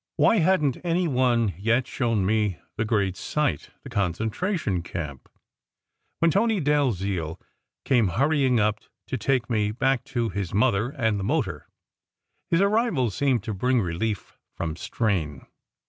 Why hadn t any one yet shown me the great sight, the concentration camp? when Tony Dalziel came hurrying up, to take me back to his mother and the motor. His arrival seemed to bring relief from strain.